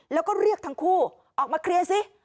แล้วก็เรียกทั้งคู่ออกมาเคลียร์สิ